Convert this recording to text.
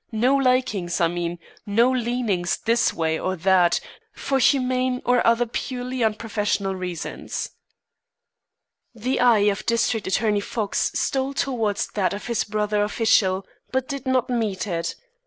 No likings, I mean no leanings this way or that, for humane or other purely unprofessional reasons." The eye of District Attorney Fox stole towards that of his brother official, but did not meet it.